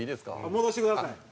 戻してください。